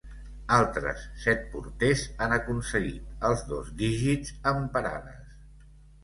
Altres set porters han aconseguit els dos dígits en parades.